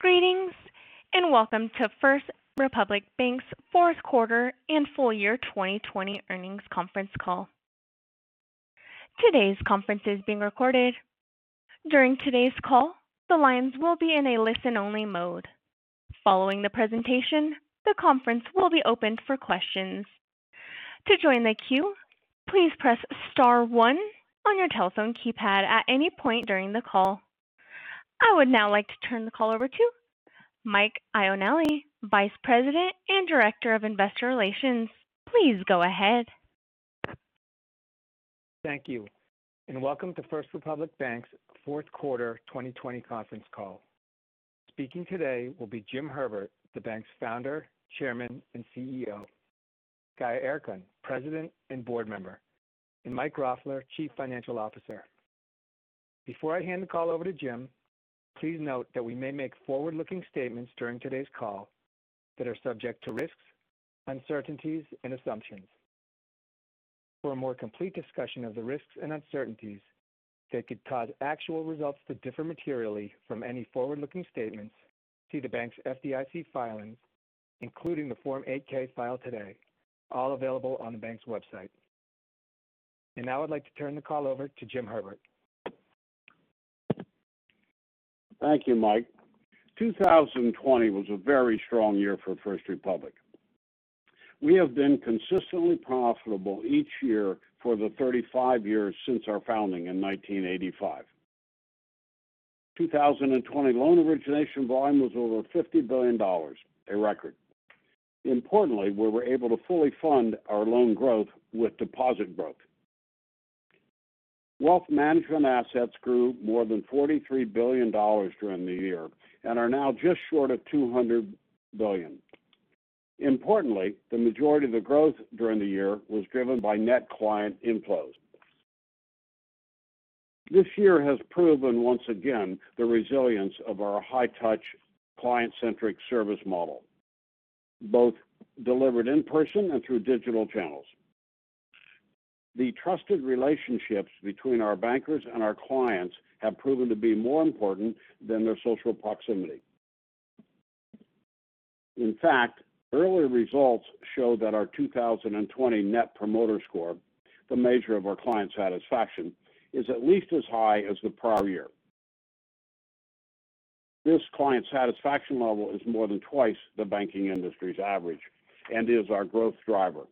Greetings, and welcome to First Republic Bank's fourth quarter and full year 2020 earnings conference call. Today's conference is being recorded. During today's call, the lines will be in a listen-only mode. Following the presentation, the conference will be opened for questions. To join the queue, please press star one on your telephone keypad at any point during the call. I would now like to turn the call over to Mike Ioanilli, Vice President and Director of Investor Relations. Please go ahead. Thank you, and welcome to First Republic Bank's fourth quarter 2020 conference call. Speaking today will be Jim Herbert, the bank's Founder, Chairman, and CEO. Gaye Erkan, President and Board Member. Mike Roffler, Chief Financial Officer. Before I hand the call over to Jim, please note that we may make forward-looking statements during today's call that are subject to risks, uncertainties, and assumptions. For a more complete discussion of the risks and uncertainties that could cause actual results to differ materially from any forward-looking statements, see the bank's FDIC filings, including the Form 8-K file today, all available on the bank's website. Now I'd like to turn the call over to Jim Herbert. Thank you, Mike. 2020 was a very strong year for First Republic. We have been consistently profitable each year for the 35 years since our founding in 1985. 2020 loan origination volume was over $50 billion, a record. Importantly, we were able to fully fund our loan growth with deposit growth. Wealth management assets grew more than $43 billion during the year and are now just short of $200 billion. Importantly, the majority of the growth during the year was driven by net client inflows. This year has proven once again the resilience of our high-touch client-centric service model, both delivered in person and through digital channels. The trusted relationships between our bankers and our clients have proven to be more important than their social proximity. In fact, early results show that our 2020 Net Promoter Score, the measure of our client satisfaction, is at least as high as the prior year. This client satisfaction level is more than twice the banking industry's average and is our growth driver.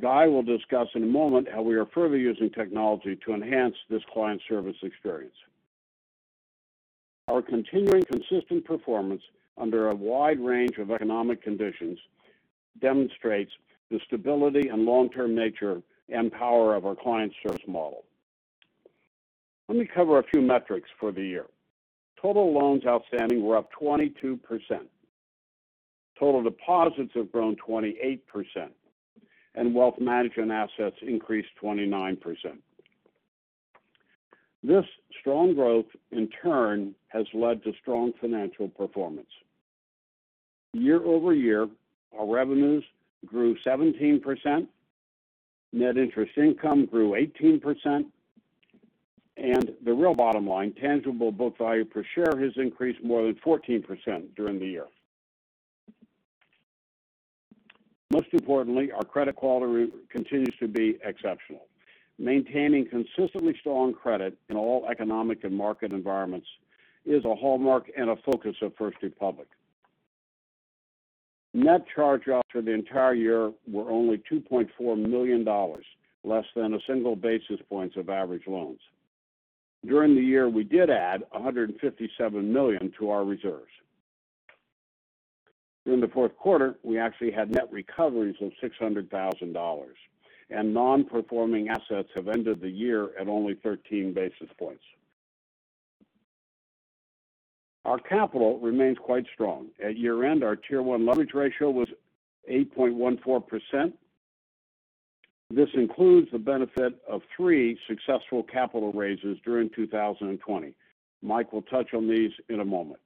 Gaye will discuss in a moment how we are further using technology to enhance this client service experience. Our continuing consistent performance under a wide range of economic conditions demonstrates the stability and long-term nature and power of our client service model. Let me cover a few metrics for the year. Total loans outstanding were up 22%. Total deposits have grown 28%, and wealth management assets increased 29%. This strong growth, in turn, has led to strong financial performance. Year-over-year, our revenues grew 17%, net interest income grew 18%, and the real bottom line, tangible book value per share, has increased more than 14% during the year. Most importantly, our credit quality continues to be exceptional. Maintaining consistently strong credit in all economic and market environments is a hallmark and a focus of First Republic. Net charge-offs for the entire year were only $2.4 million, less than a single basis point of average loans. During the year, we did add $157 million to our reserves. During the fourth quarter, we actually had net recoveries of $600,000, and non-performing assets have ended the year at only 13 basis points. Our capital remains quite strong. At year-end, our Tier 1 leverage ratio was 8.14%. This includes the benefit of three successful capital raises during 2020. Mike will touch on these in a moment.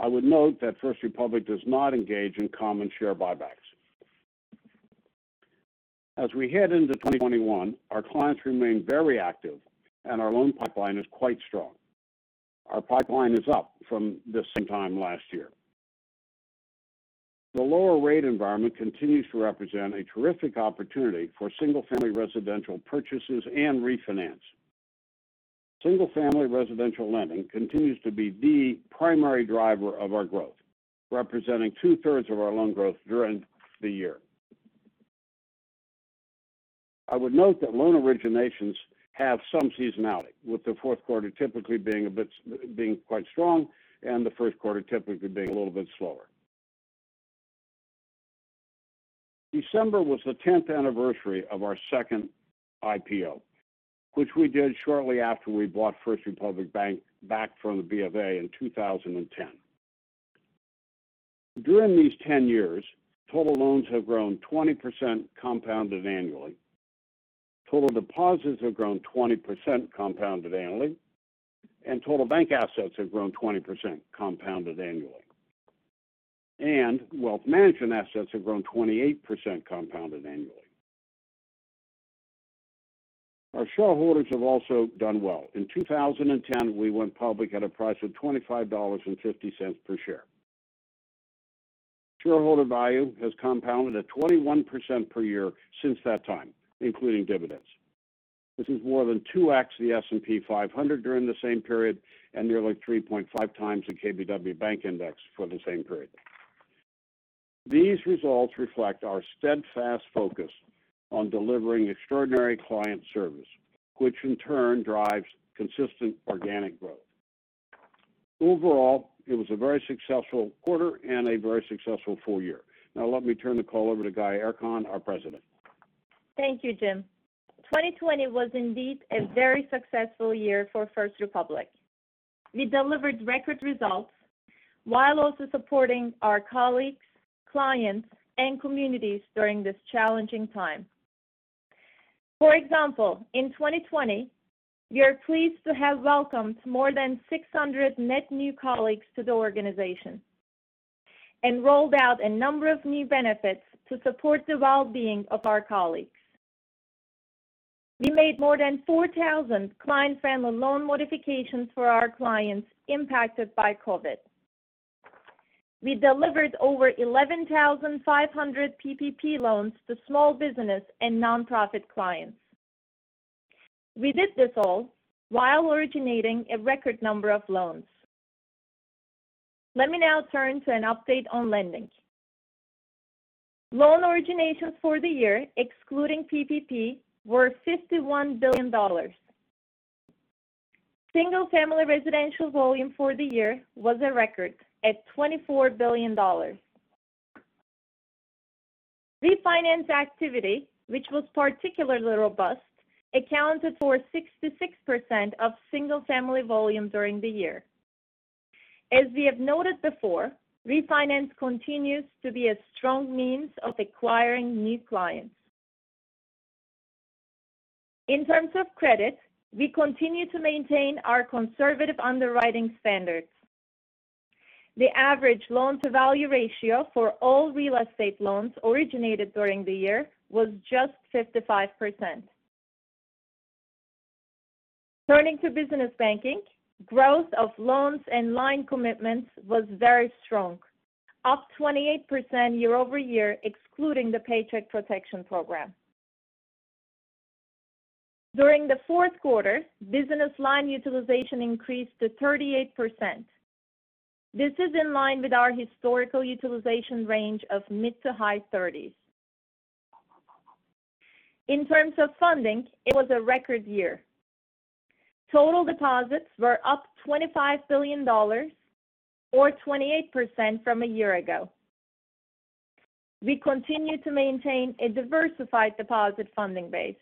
I would note that First Republic does not engage in common share buybacks. As we head into 2021, our clients remain very active and our loan pipeline is quite strong. Our pipeline is up from the same time last year. The lower rate environment continues to represent a terrific opportunity for single-family residential purchases and refinancing. Single-family residential lending continues to be the primary driver of our growth, representing 2/3 of our loan growth during the year. I would note that loan originations have some seasonality, with the fourth quarter typically being quite strong and the first quarter typically being a little bit slower. December was the 10th anniversary of our second IPO, which we did shortly after we bought First Republic Bank back from the Bank of America in 2010. During these 10 years, total loans have grown 20% compounded annually. Total deposits have grown 20% compounded annually, and total bank assets have grown 20% compounded annually. Wealth management assets have grown 28% compounded annually. Our shareholders have also done well. In 2010, we went public at a price of $25.50 per share. Shareholder value has compounded at 21% per year since that time, including dividends. This is more than 2x the S&P 500 during the same period, and nearly 3.5x the KBW Bank Index for the same period. These results reflect our steadfast focus on delivering extraordinary client service, which in turn drives consistent organic growth. Overall, it was a very successful quarter and a very successful full year. Now let me turn the call over to Gaye Erkan, our President. Thank you, Jim. 2020 was indeed a very successful year for First Republic. We delivered record results while also supporting our colleagues, clients, and communities during this challenging time. For example, in 2020, we are pleased to have welcomed more than 600 net new colleagues to the organization and rolled out a number of new benefits to support the well-being of our colleagues. We made more than 4,000 client family loan modifications for our clients impacted by COVID. We delivered over 11,500 PPP loans to small business and nonprofit clients. We did this all while originating a record number of loans. Let me now turn to an update on lending. Loan originations for the year, excluding PPP, were $51 billion. Single-family residential volume for the year was a record at $24 billion. Refinance activity, which was particularly robust, accounted for 66% of single-family volume during the year. As we have noted before, refinance continues to be a strong means of acquiring new clients. In terms of credit, we continue to maintain our conservative underwriting standards. The average loan-to-value ratio for all real estate loans originated during the year was just 55%. Turning to business banking, growth of loans and line commitments was very strong, up 28% year-over-year, excluding the Paycheck Protection Program. During the fourth quarter, business line utilization increased to 38%. This is in line with our historical utilization range of mid to high 30s. In terms of funding, it was a record year. Total deposits were up $25 billion, or 28% from a year ago. We continue to maintain a diversified deposit funding base.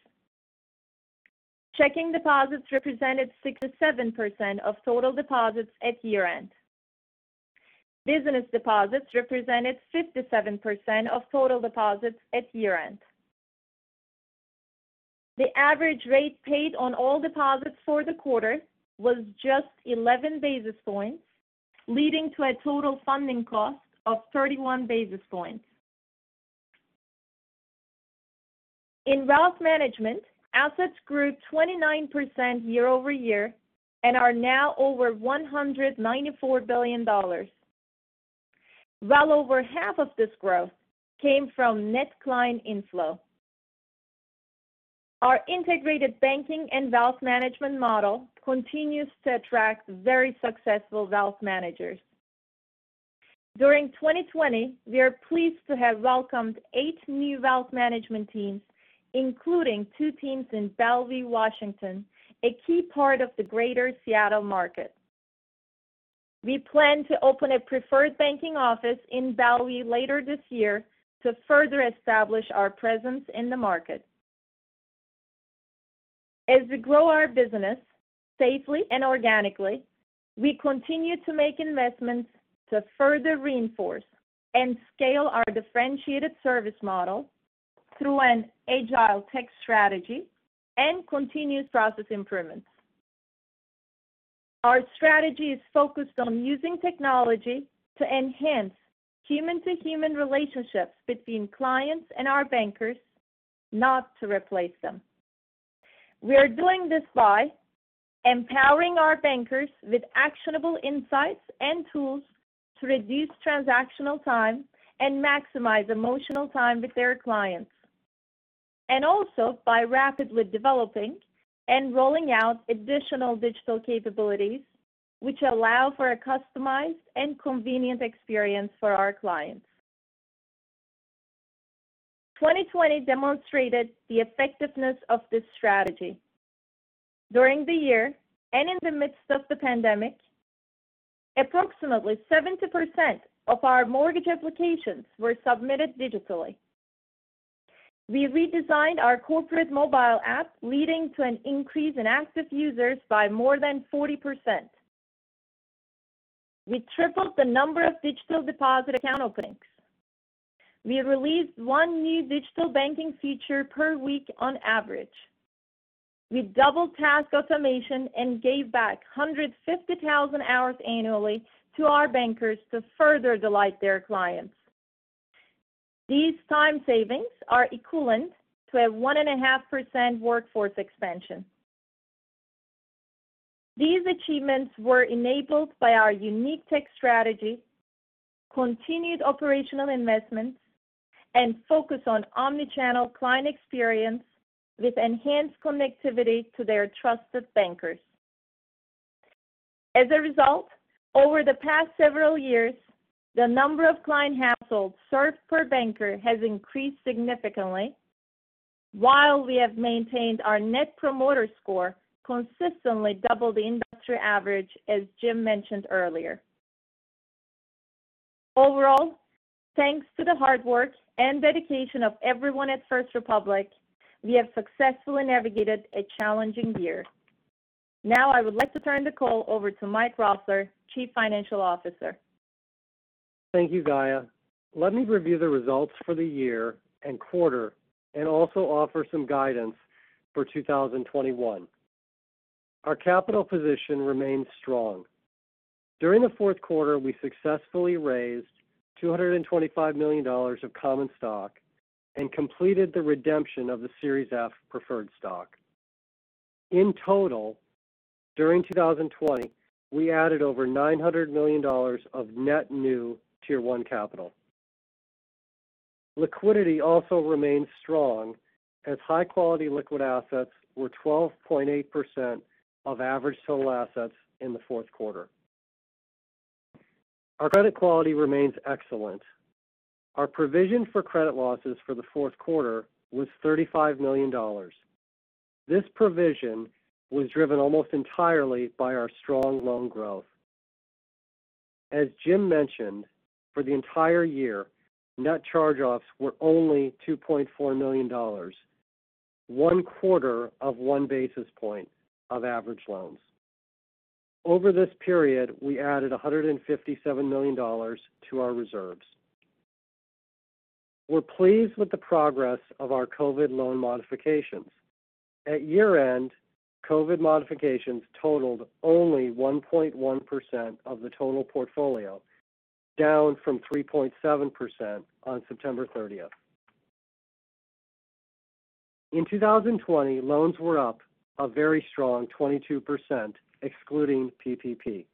Checking deposits represented 67% of total deposits at year-end. Business deposits represented 57% of total deposits at year-end. The average rate paid on all deposits for the quarter was just 11 basis points, leading to a total funding cost of 31 basis points. In wealth management, assets grew 29% year-over-year and are now over $194 billion. Well over half of this growth came from net client inflow. Our integrated banking and wealth management model continues to attract very successful wealth managers. During 2020, we are pleased to have welcomed eight new wealth management teams, including two teams in Bellevue, Washington, a key part of the Greater Seattle market. We plan to open a preferred banking office in Bellevue later this year to further establish our presence in the market. As we grow our business safely and organically, we continue to make investments to further reinforce and scale our differentiated service model through an agile tech strategy and continuous process improvements. Our strategy is focused on using technology to enhance human-to-human relationships between clients and our bankers, not to replace them. We are doing this by empowering our bankers with actionable insights and tools to reduce transactional time and maximize emotional time with their clients, and also by rapidly developing and rolling out additional digital capabilities which allow for a customized and convenient experience for our clients. 2020 demonstrated the effectiveness of this strategy. During the year, and in the midst of the pandemic, approximately 70% of our mortgage applications were submitted digitally. We redesigned our corporate mobile app, leading to an increase in active users by more than 40%. We tripled the number of digital deposit account openings. We released one new digital banking feature per week on average. We doubled task automation and gave back 150,000 hours annually to our bankers to further delight their clients. These time savings are equivalent to a 1.5% workforce expansion. These achievements were enabled by our unique tech strategy, continued operational investments, and focus on omni-channel client experience with enhanced connectivity to their trusted bankers. As a result, over the past several years, the number of client households served per banker has increased significantly, while we have maintained our Net Promoter Score consistently double the industry average, as Jim mentioned earlier. Overall, thanks to the hard work and dedication of everyone at First Republic, we have successfully navigated a challenging year. Now I would like to turn the call over to Mike Roffler, Chief Financial Officer. Thank you, Gaye. Let me review the results for the year and quarter and also offer some guidance for 2021. Our capital position remains strong. During the fourth quarter, we successfully raised $225 million of common stock and completed the redemption of the Series F Preferred Stock. In total, during 2020, we added over $900 million of net new Tier 1 capital. Liquidity also remains strong, as high-quality liquid assets were 12.8% of average total assets in the fourth quarter. Our credit quality remains excellent. Our provision for credit losses for the fourth quarter was $35 million. This provision was driven almost entirely by our strong loan growth. As Jim mentioned, for the entire year, net charge-offs were only $2.4 million, 1/4 of 1 basis point of average loans. Over this period, we added $157 million to our reserves. We're pleased with the progress of our COVID loan modifications. At year-end, COVID modifications totaled only 1.1% of the total portfolio, down from 3.7% on September 30th. In 2020, loans were up a very strong 22%, excluding PPP.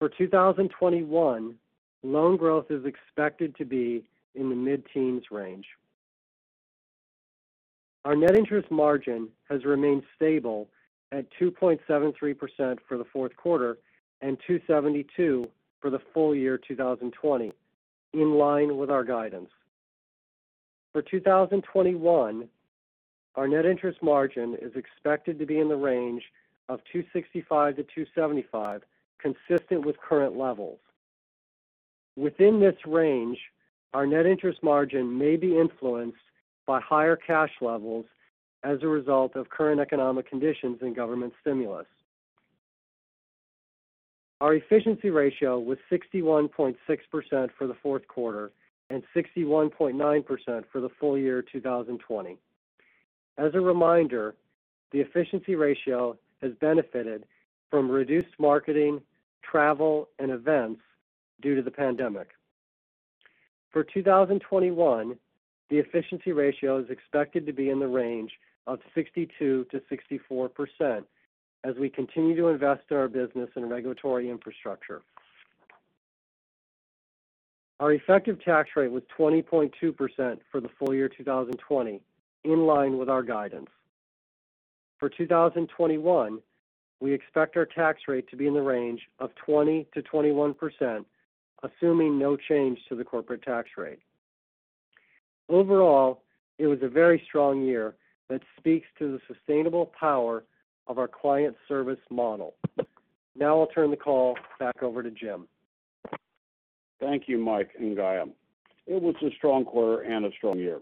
For 2021, loan growth is expected to be in the mid-teens range. Our net interest margin has remained stable at 2.73% for the fourth quarter and 2.72% for the full year 2020, in line with our guidance. For 2021, our net interest margin is expected to be in the range of 2.65%-2.75%, consistent with current levels. Within this range, our net interest margin may be influenced by higher cash levels as a result of current economic conditions and government stimulus. Our efficiency ratio was 61.6% for the fourth quarter and 61.9% for the full year 2020. As a reminder, the efficiency ratio has benefited from reduced marketing, travel, and events due to the pandemic. For 2021, the efficiency ratio is expected to be in the range of 62%-64% as we continue to invest in our business and regulatory infrastructure. Our effective tax rate was 20.2% for the full year 2020, in line with our guidance. For 2021, we expect our tax rate to be in the range of 20%-21%, assuming no change to the corporate tax rate. Overall, it was a very strong year that speaks to the sustainable power of our client service model. Now I'll turn the call back over to Jim. Thank you, Mike and Gaye. It was a strong quarter and a strong year.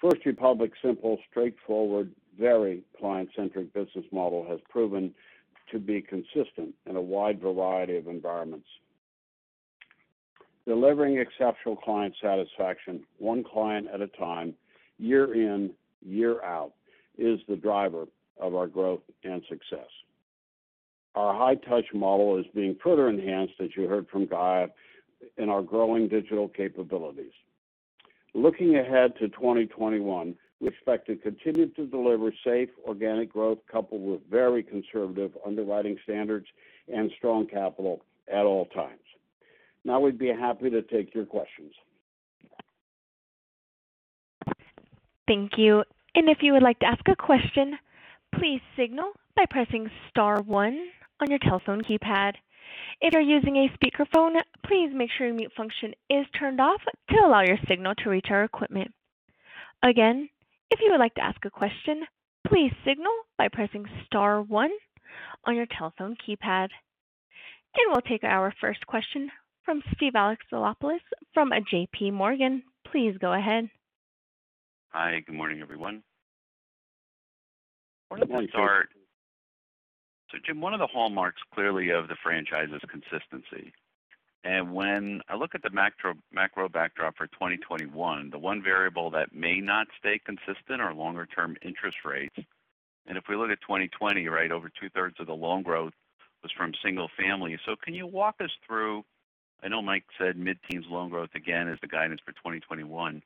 First Republic's simple, straightforward, very client-centric business model has proven to be consistent in a wide variety of environments. Delivering exceptional client satisfaction one client at a time, year in, year out, is the driver of our growth and success. Our high-touch model is being further enhanced, as you heard from Gaye, in our growing digital capabilities. Looking ahead to 2021, we expect to continue to deliver safe, organic growth coupled with very conservative underwriting standards and strong capital at all times. Now we'd be happy to take your questions. Thank you. If you would like to ask a question, please signal by pressing star one on your telephone keypad. If you're using a speakerphone, please make sure your mute function is turned off to allow your signal to reach our equipment. Again, if you would like to ask a question, please signal by pressing star one on your telephone keypad. We'll take our first question from Steve Alexopoulos from JPMorgan. Please go ahead. Hi. Good morning, everyone. One of the things, Jim, one of the hallmarks clearly of the franchise is consistency. When I look at the macro backdrop for 2021, the one variable that may not stay consistent are longer-term interest rates. If we look at 2020, right over 2/3 of the loan growth was from single family. Can you walk us through, I know Mike said mid-teens loan growth again is the guidance for 2021,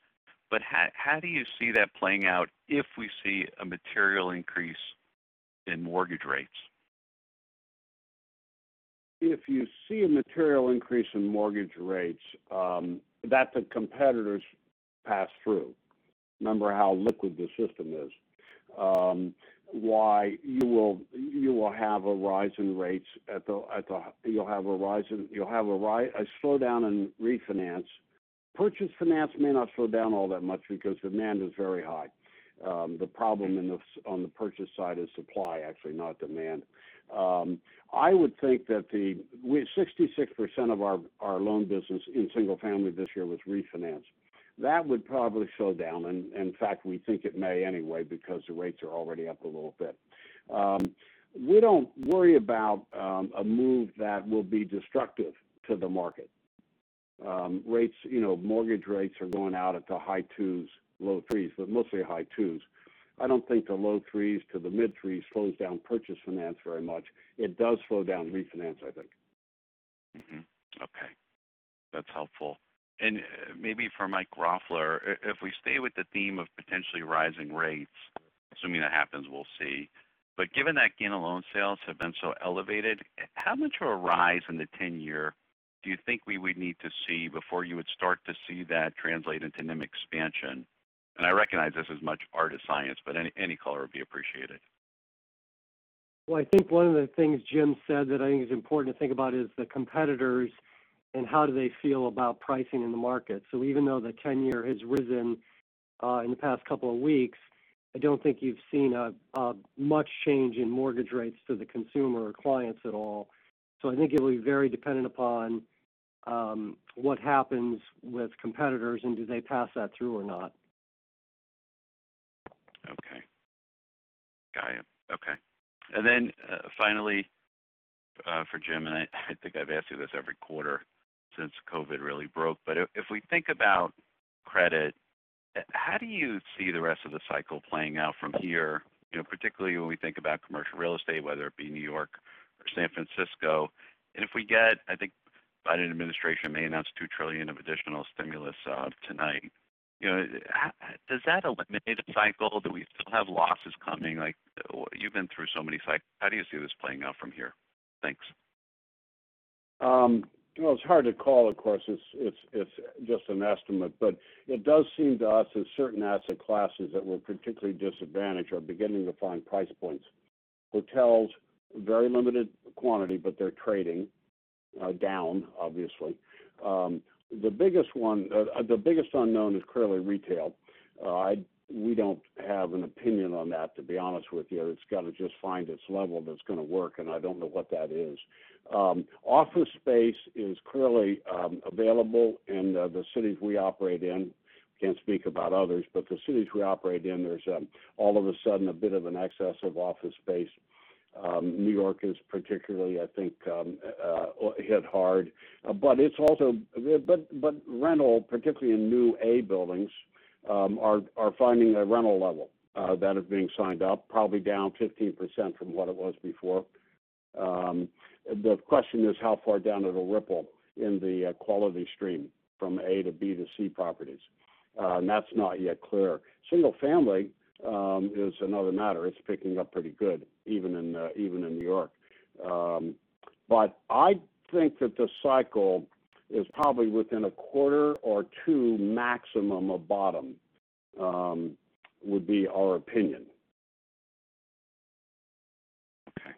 how do you see that playing out if we see a material increase in mortgage rates? If you see a material increase in mortgage rates, that the competitors pass through. Remember how liquid the system is. You'll have a rise in rates. You'll have a slowdown in refinance. Purchase finance may not slow down all that much because demand is very high. The problem on the purchase side is supply, actually, not demand. I would think that 66% of our loan business in single family this year was refinanced. That would probably slow down, and in fact, we think it may anyway because the rates are already up a little bit. We don't worry about a move that will be destructive to the market. Mortgage rates are going out at the high twos, low threes, but mostly high twos. I don't think the low threes to the mid threes slows down purchase finance very much. It does slow down refinance, I think. Okay. That's helpful. Maybe for Mike Roffler, if we stay with the theme of potentially rising rates, assuming that happens, we'll see. Given that gain on loan sales have been so elevated, how much of a rise in the 10-year do you think we would need to see before you would start to see that translate into NIM expansion? I recognize this is much art as science, but any color would be appreciated. Well, I think one of the things Jim said that I think is important to think about is the competitors and how do they feel about pricing in the market. Even though the 10-year has risen in the past couple of weeks, I don't think you've seen a much change in mortgage rates to the consumer or clients at all. I think it'll be very dependent upon what happens with competitors, and do they pass that through or not. Okay. Got you. Okay. Finally, for Jim, I think I've asked you this every quarter since COVID really broke. If we think about credit, how do you see the rest of the cycle playing out from here? Particularly when we think about commercial real estate, whether it be New York or San Francisco. If we get, I think Biden administration may announce $2 trillion of additional stimulus tonight. Does that eliminate a cycle? Do we still have losses coming? You've been through so many cycles. How do you see this playing out from here? Thanks. Well, it's hard to call, of course. It's just an estimate, but it does seem to us that certain asset classes that were particularly disadvantaged are beginning to find price points. Hotels, very limited quantity, but they're trading down, obviously. The biggest unknown is clearly retail. We don't have an opinion on that, to be honest with you. It's got to just find its level that's going to work, and I don't know what that is. Office space is clearly available in the cities we operate in. Can't speak about others, but the cities we operate in, there's all of a sudden a bit of an excess of office space. New York is particularly, I think, hit hard. Rental, particularly in new A buildings, are finding a rental level that is being signed up, probably down 15% from what it was before. The question is how far down it'll ripple in the quality stream from A to B to C properties. That's not yet clear. Single family is another matter. It's picking up pretty good, even in New York. I think that the cycle is probably within a quarter or two maximum of bottom, would be our opinion. Okay.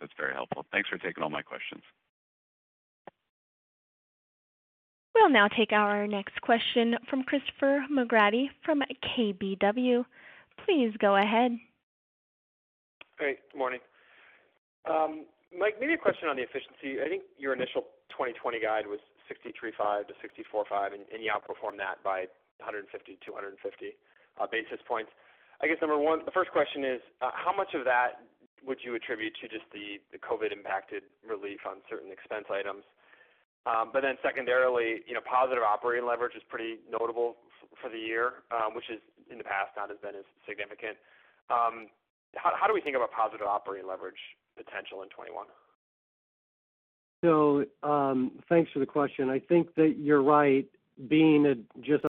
That's very helpful. Thanks for taking all my questions. We'll now take our next question from Christopher McGratty from KBW. Please go ahead. Hey, good morning. Mike, maybe a question on the efficiency. I think your initial 2020 guide was 63.5 to 64.5, you outperformed that by 150 basis points, 250 basis points. I guess number one, the first question is how much of that would you attribute to just the COVID impacted relief on certain expense items? Secondarily, positive operating leverage is pretty notable for the year. Which is in the past not as been as significant. How do we think about positive operating leverage potential in 2021? Thanks for the question. I think that you're right, being at just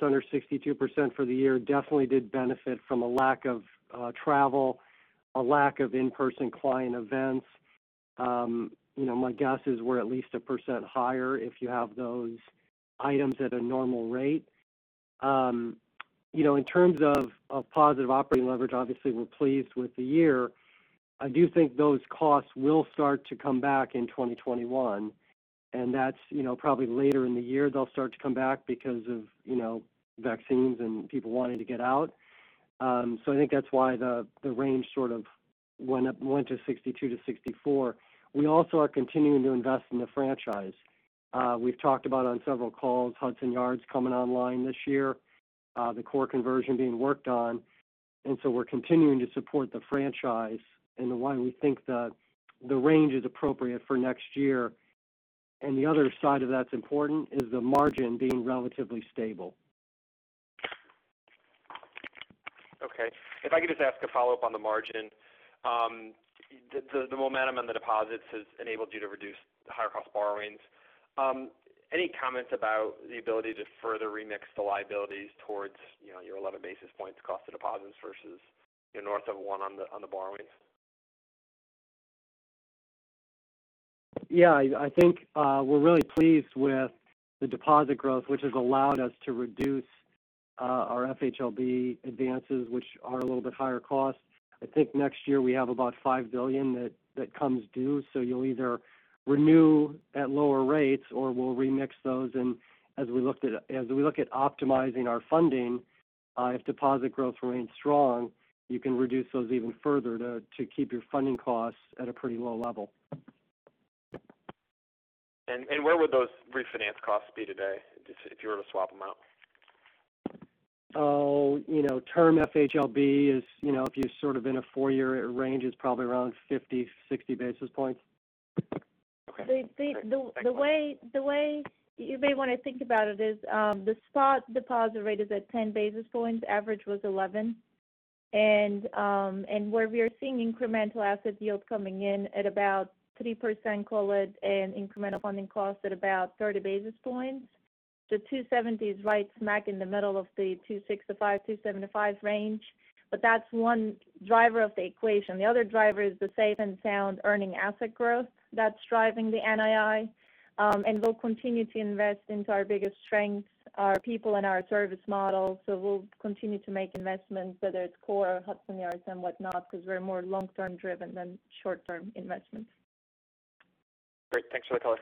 it's under 62% for the year. Definitely did benefit from a lack of travel, a lack of in-person client events. My guess is we're at least a percent higher if you have those items at a normal rate. In terms of positive operating leverage, obviously we're pleased with the year. I do think those costs will start to come back in 2021, and that's probably later in the year they'll start to come back because of vaccines and people wanting to get out. I think that's why the range sort of went to 62%-64%. We also are continuing to invest in the franchise. We've talked about on several calls Hudson Yards coming online this year, the core conversion being worked on, and so we're continuing to support the franchise and why we think the range is appropriate for next year. The other side of that's important is the margin being relatively stable. Okay. If I could just ask a follow-up on the margin. The momentum on the deposits has enabled you to reduce the higher cost borrowings. Any comments about the ability to further remix the liabilities towards your 11 basis points cost of deposits versus north of one on the borrowings? I think we're really pleased with the deposit growth, which has allowed us to reduce our FHLB advances, which are a little bit higher cost. I think next year we have about $5 billion that comes due. You'll either renew at lower rates or we'll remix those. As we look at optimizing our funding, if deposit growth remains strong, you can reduce those even further to keep your funding costs at a pretty low level. Where would those refinance costs be today if you were to swap them out? Term FHLB is, if you're sort of in a four-year range, it's probably around 50 basis points, 60 basis points. Okay. The way you may want to think about it is the spot deposit rate is at 10 basis points. Average was 11 basis points. Where we are seeing incremental asset yields coming in at about 3%, call it in, and incremental funding costs at about 30 basis points. The 270 is right smack in the middle of the 265-275 range. That's one driver of the equation. The other driver is the safe and sound earning asset growth that's driving the NII. We'll continue to invest into our biggest strengths, our people and our service model. We'll continue to make investments, whether it's core Hudson Yards and whatnot, because we're more long-term driven than short-term investments. Great. Thanks for the color.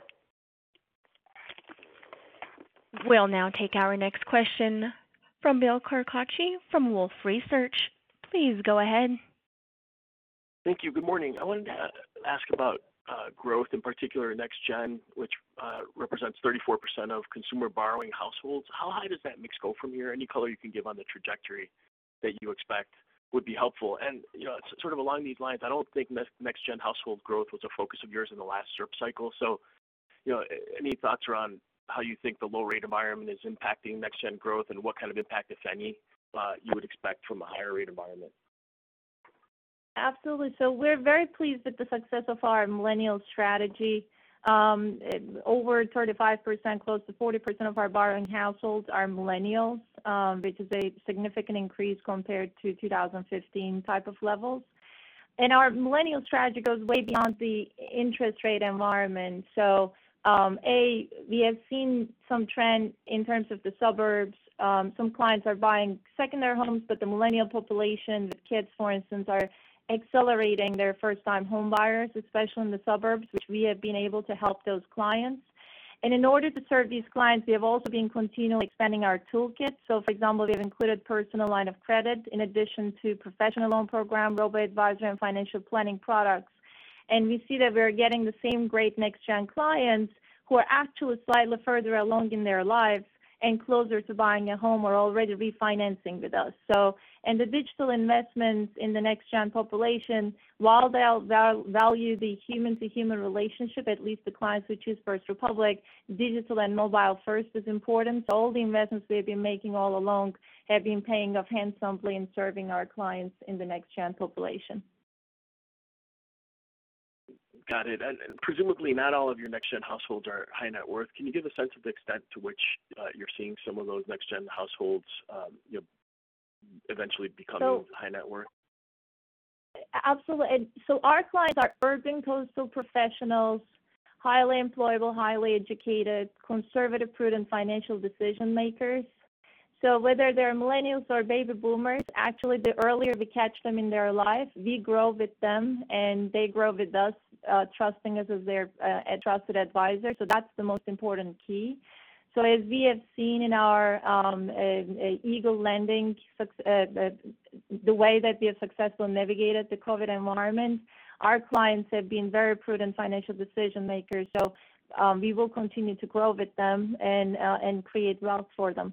We'll now take our next question from Bill Carcache from Wolfe Research. Please go ahead. Thank you. Good morning. I wanted to ask about growth, in particular next gen, which represents 34% of consumer borrowing households. How high does that mix go from here? Any color you can give on the trajectory that you expect would be helpful. Sort of along these lines, I don't think next gen household growth was a focus of yours in the last ZIRP cycle. Any thoughts around how you think the low rate environment is impacting next gen growth and what kind of impact, if any, you would expect from a higher rate environment? Absolutely. We're very pleased with the success of our millennial strategy. Over 35%, close to 40% of our borrowing households are millennials, which is a significant increase compared to 2015 type of levels. Our millennial strategy goes way beyond the interest rate environment. A, we have seen some trend in terms of the suburbs. Some clients are buying secondary homes, but the millennial population with kids, for instance, are accelerating their first time home buyers, especially in the suburbs, which we have been able to help those clients. In order to serve these clients, we have also been continually expanding our toolkit. For example, we've included personal line of credit in addition to Professional Loan Program, robo-advisory, and financial planning products. We see that we're getting the same great next gen clients who are actually slightly further along in their lives and closer to buying a home or already refinancing with us. The digital investments in the next gen population, while they'll value the human-to-human relationship, at least the clients who choose First Republic, digital and mobile first is important. All the investments we've been making all along have been paying off handsomely in serving our clients in the next gen population. Got it. Presumably not all of your next gen households are high net worth. Can you give a sense of the extent to which you're seeing some of those next gen households eventually becoming high net worth? Absolutely. Our clients are urban coastal professionals, highly employable, highly educated, conservative, prudent financial decision-makers. Whether they're millennials or baby boomers, actually, the earlier we catch them in their life, we grow with them, and they grow with us, trusting us as their trusted advisor. That's the most important key. As we have seen in our Eagle Lending, the way that we have successfully navigated the COVID environment, our clients have been very prudent financial decision-makers. We will continue to grow with them and create wealth for them.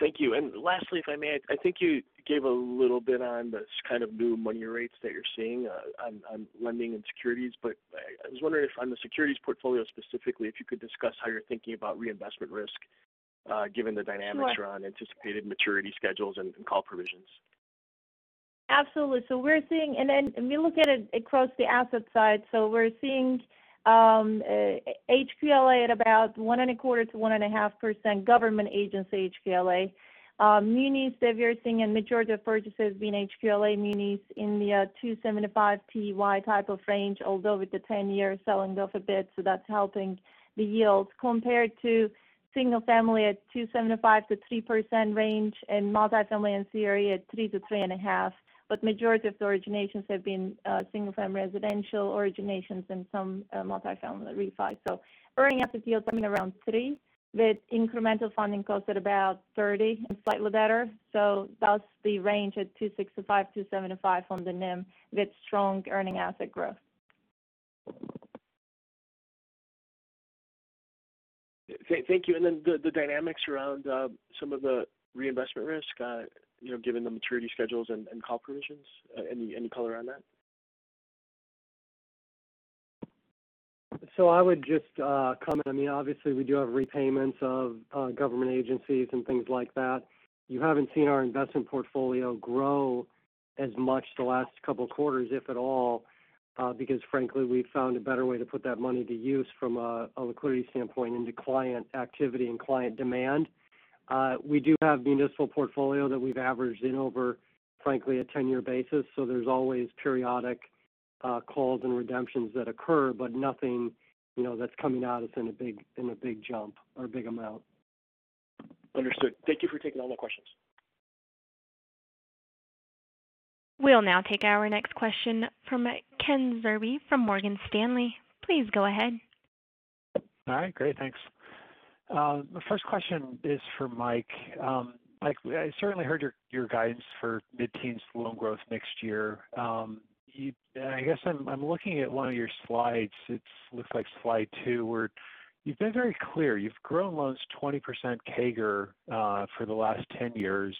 Thank you. Lastly, if I may, I think you gave a little bit on the kind of new money rates that you're seeing on lending and securities. I was wondering if on the securities portfolio specifically, if you could discuss how you're thinking about reinvestment risk. Sure. Given the dynamic around anticipated maturity schedules and call provisions. Absolutely. We look at it across the asset side. We're seeing HQLA at about 1.25%-1.5% government agency HQLA. Munis that we are seeing in majority of purchases being HQLA munis in the 275 basis points type of range, although with the 10-year selling off a bit, that's helping the yields compared to single family at 2.75%-3% range and multifamily and CRE at 3%-3.5%. Majority of the originations have been single-family residential originations and some multifamily refi. Earning asset yields coming around three with incremental funding costs at about 30 and slightly better. That's the range at 2.65%, 2.75% on the NIM with strong earning asset growth. Thank you. The dynamics around some of the reinvestment risk, given the maturity schedules and call provisions. Any color on that? I would just comment. Obviously, we do have repayments of government agencies and things like that. You haven't seen our investment portfolio grow as much the last couple of quarters, if at all because frankly, we've found a better way to put that money to use from a liquidity standpoint into client activity and client demand. We do have municipal portfolio that we've averaged in over, frankly, a 10-year basis. There's always periodic calls and redemptions that occur, but nothing that's coming at us in a big jump or a big amount. Understood. Thank you for taking all the questions. We'll now take our next question from Ken Zerbe from Morgan Stanley. Please go ahead. All right. Great. Thanks. The first question is for Mike. Mike, I certainly heard your guidance for mid-teens loan growth next year. I guess I'm looking at one of your slides. It looks like slide two, where you've been very clear. You've grown loans 20% CAGR for the last 10 years.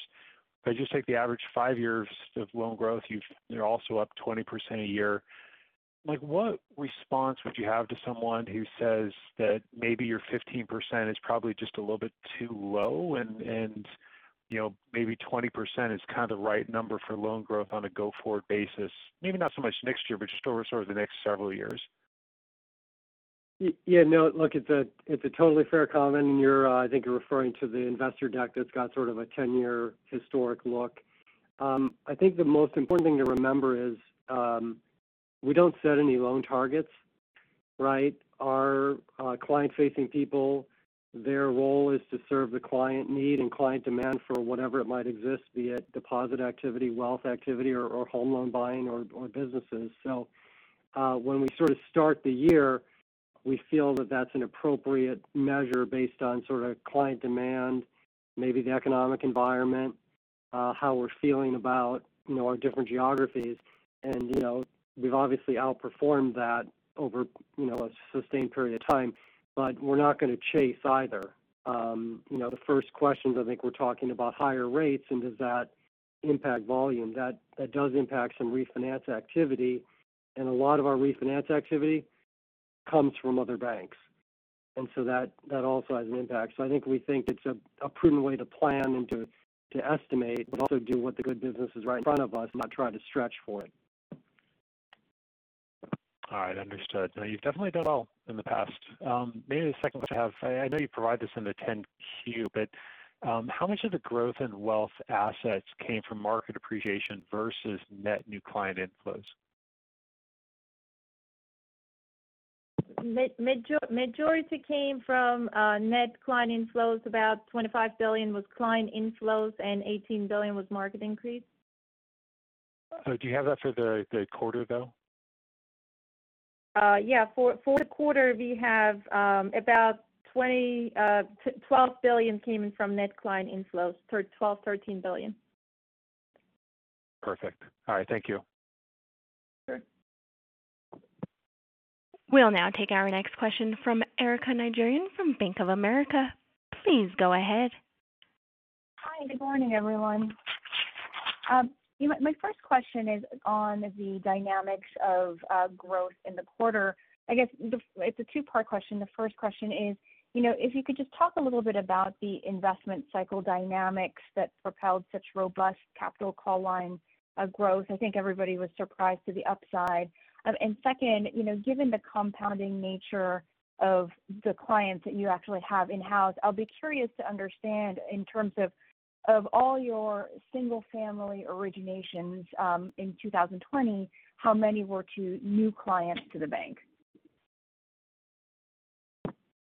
If I just take the average five years of loan growth, you're also up 20% a year. Mike, what response would you have to someone who says that maybe your 15% is probably just a little bit too low and maybe 20% is kind of the right number for loan growth on a go-forward basis? Maybe not so much next year, but just over the next several years. Yeah. No, look, it's a totally fair comment. I think you're referring to the investor deck that's got sort of a 10-year historic look. I think the most important thing to remember is we don't set any loan targets. Our client-facing people, their role is to serve the client need and client demand for whatever it might exist, be it deposit activity, wealth activity, or home loan buying, or businesses. When we sort of start the year, we feel that that's an appropriate measure based on client demand, maybe the economic environment, how we're feeling about our different geographies. We've obviously outperformed that over a sustained period of time. We're not going to chase either. The first questions, I think we're talking about higher rates, and does that impact volume? That does impact some refinance activity. A lot of our refinance activity comes from other banks. That also has an impact. I think we think it's a prudent way to plan and to estimate, but also do what the good business is right in front of us, not try to stretch for it. All right. Understood. No, you've definitely done well in the past. Maybe the second question I have, I know you provide this in the 10-Q, but how much of the growth in wealth assets came from market appreciation versus net new client inflows? Majority came from net client inflows. About $25 billion was client inflows and $18 billion was market increase. Do you have that for the quarter, though? Yeah. For the quarter, we have about $12 billion came in from net client inflows, $12 billion-$13 billion. Perfect. All right. Thank you. Sure. We'll now take our next question from Erika Najarian from Bank of America. Please go ahead. Hi. Good morning, everyone. My first question is on the dynamics of growth in the quarter. I guess it's a two-part question. The first question is, if you could just talk a little bit about the investment cycle dynamics that propelled such robust capital call line growth. I think everybody was surprised to the upside. Second, given the compounding nature of the clients that you actually have in-house, I'll be curious to understand in terms of all your single-family originations in 2020, how many were to new clients to the bank?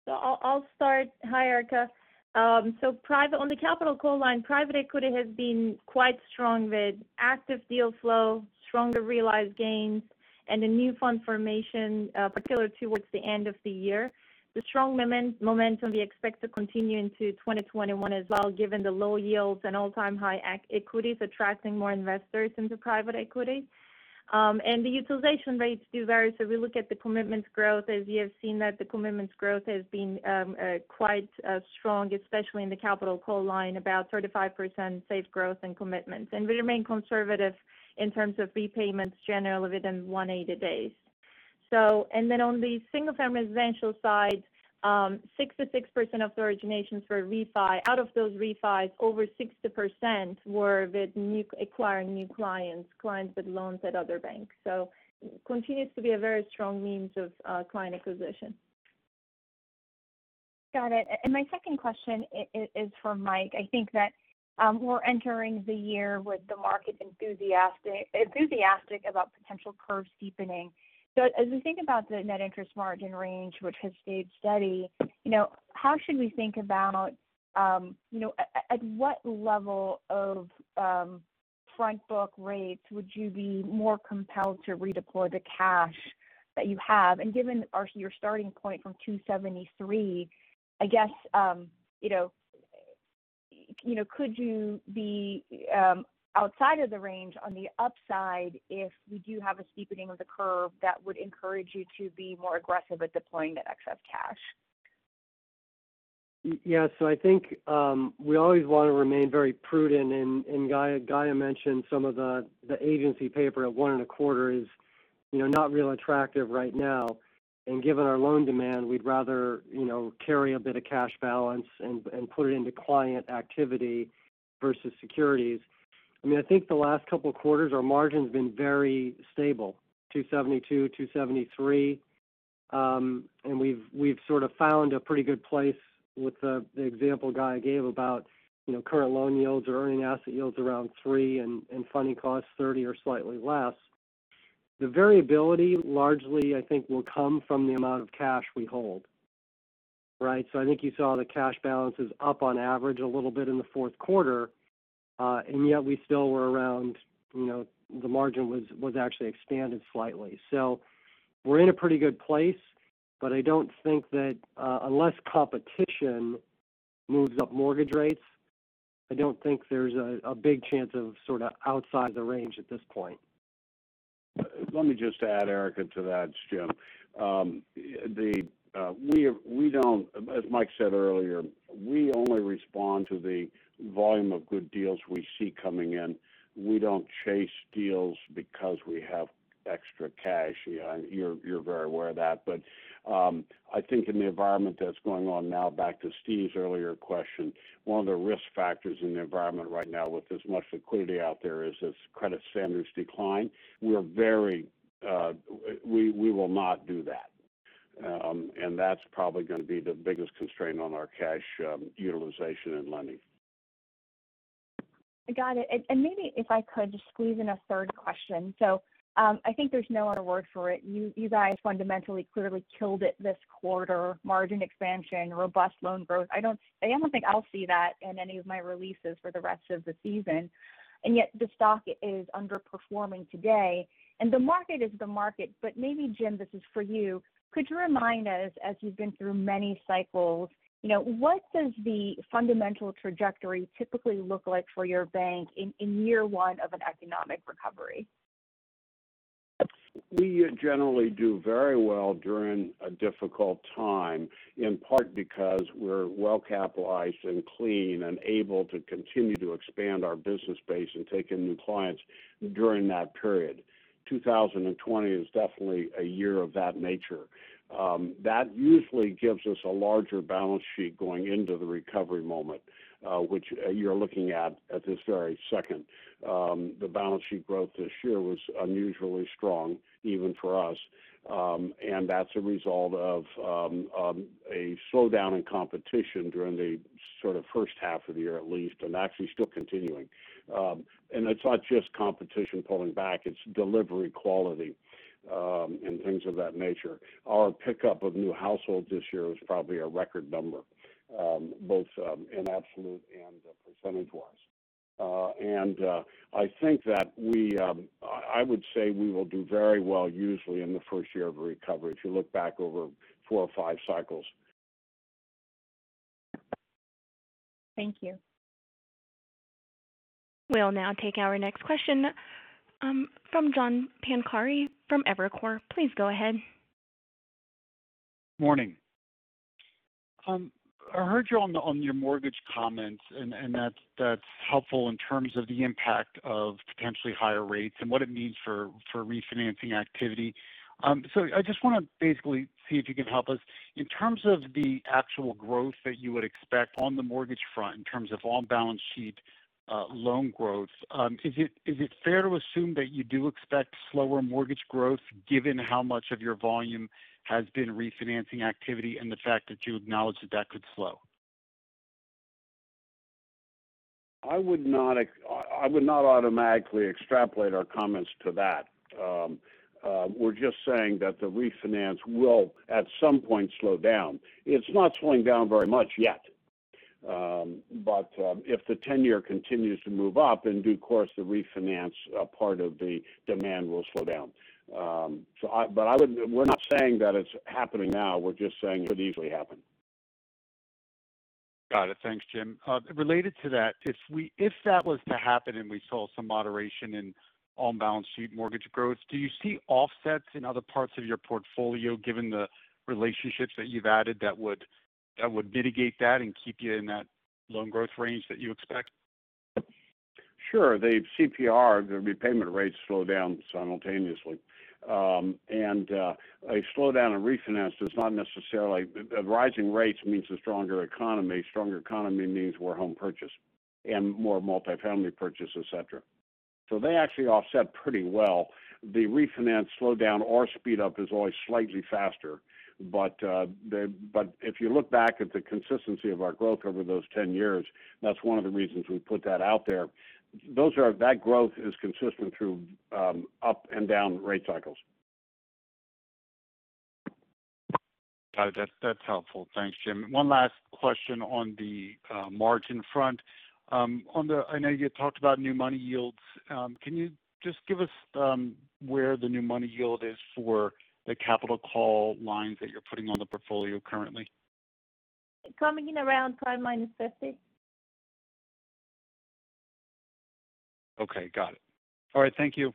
I'll start. Hi, Erika. On the capital call line, private equity has been quite strong with active deal flow, stronger realized gains, and a new fund formation particular towards the end of the year. The strong momentum we expect to continue into 2021 as well, given the low yields and all-time high equities attracting more investors into private equity. The utilization rates do vary, we look at the commitment growth. As you have seen that the commitments growth has been quite strong, especially in the capital call line, about 35% safe growth in commitments. We remain conservative in terms of repayments, generally within 180 days. On the single-family residential side, 66% of the originations were refi. Out of those refis, over 60% were with acquiring new clients with loans at other banks. So continues to be a very strong means of client acquisition. Got it. My second question is for Mike. I think that we're entering the year with the market enthusiastic about potential curve steepening. As we think about the net interest margin range, which has stayed steady, at what level of front book rates would you be more compelled to redeploy the cash that you have? Given your starting point from 273, could you be outside of the range on the upside if we do have a steepening of the curve that would encourage you to be more aggressive with deploying the excess cash? Yeah. I think we always want to remain very prudent, and Gaye mentioned some of the agency paper at 1.25 is not real attractive right now. Given our loan demand, we'd rather carry a bit of cash balance and put it into client activity versus securities. I think the last couple of quarters, our margin's been very stable, 272, 273. We've sort of found a pretty good place with the example Gaye gave about current loan yields or earning asset yields around three and funding costs 30 or slightly less. The variability largely, I think, will come from the amount of cash we hold. Right? I think you saw the cash balance is up on average a little bit in the fourth quarter. Yet the margin was actually expanded slightly. We're in a pretty good place, but I don't think that unless competition moves up mortgage rates, I don't think there's a big chance of sort of outside the range at this point. Let me just add, Erika, to that. It's Jim. As Mike said earlier, we only respond to the volume of good deals we see coming in. We don't chase deals because we have extra cash. You're very aware of that. I think in the environment that's going on now, back to Steve's earlier question, one of the risk factors in the environment right now with as much liquidity out there is as credit standards decline. We will not do that. That's probably going to be the biggest constraint on our cash utilization and lending. Got it. Maybe if I could just squeeze in a third question. I think there's no other word for it. You guys fundamentally clearly killed it this quarter. Margin expansion, robust loan growth. I don't think I'll see that in any of my releases for the rest of the season. Yet the stock is underperforming today. The market is the market, but maybe, Jim, this is for you. Could you remind us, as you've been through many cycles, what does the fundamental trajectory typically look like for your bank in year one of an economic recovery? We generally do very well during a difficult time, in part because we're well-capitalized and clean and able to continue to expand our business base and take in new clients during that period. 2020 is definitely a year of that nature. That usually gives us a larger balance sheet going into the recovery moment, which you're looking at this very second. The balance sheet growth this year was unusually strong, even for us. That's a result of a slowdown in competition during the sort of first half of the year at least, and actually still continuing. It's not just competition pulling back, it's delivery quality and things of that nature. Our pickup of new households this year was probably a record number, both in absolute and percentage-wise. I think that I would say we will do very well usually in the first year of a recovery if you look back over four or five cycles. Thank you. We'll now take our next question from John Pancari from Evercore. Please go ahead. Morning. I heard you on your mortgage comments, and that's helpful in terms of the impact of potentially higher rates and what it means for refinancing activity. I just want to basically see if you can help us. In terms of the actual growth that you would expect on the mortgage front in terms of on-balance sheet loan growth, is it fair to assume that you do expect slower mortgage growth given how much of your volume has been refinancing activity and the fact that you acknowledge that that could slow? I would not automatically extrapolate our comments to that. We're just saying that the refinance will, at some point, slow down. It's not slowing down very much yet. If the 10-year continues to move up, in due course, the refinance part of the demand will slow down. We're not saying that it's happening now. We're just saying it could easily happen. Got it. Thanks, Jim. Related to that, if that was to happen and we saw some moderation in on-balance sheet mortgage growth, do you see offsets in other parts of your portfolio, given the relationships that you've added, that would mitigate that and keep you in that loan growth range that you expect? Sure. The CPR, the repayment rates slow down simultaneously. A slowdown in refinance. Rising rates means a stronger economy. Stronger economy means more home purchase and more multifamily purchase, et cetera. They actually offset pretty well. The refinance slowdown or speed up is always slightly faster. If you look back at the consistency of our growth over those 10 years, that's one of the reasons we put that out there. That growth is consistent through up and down rate cycles. Got it. That's helpful. Thanks, Jim. One last question on the margin front. I know you talked about new money yields. Can you just give us where the new money yield is for the capital call lines that you're putting on the portfolio currently? Coming in around 5 - 50. Okay. Got it. All right. Thank you.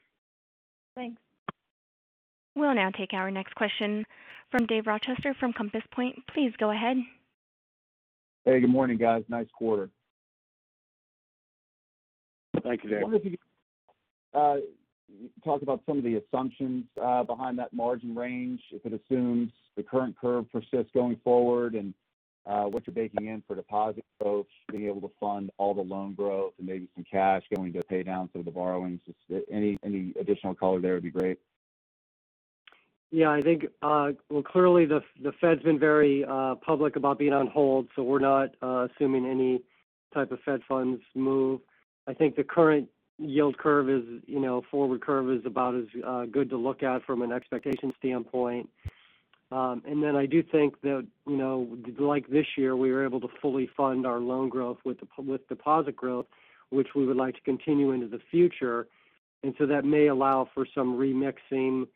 Thanks. We'll now take our next question from Dave Rochester from Compass Point. Please go ahead. Hey, good morning, guys. Nice quarter. Thank you, Dave. I wonder if you could talk about some of the assumptions behind that margin range, if it assumes the current curve persists going forward, and what you're baking in for deposit growth, being able to fund all the loan growth and maybe some cash going to pay down some of the borrowings? Just any additional color there would be great. Yeah. Well, clearly, the Fed's been very public about being on hold, we're not assuming any type of Fed funds move. I think the current yield curve forward curve is about as good to look at from an expectation standpoint. I do think that, like this year, we were able to fully fund our loan growth with deposit growth, which we would like to continue into the future. That may allow for some remixing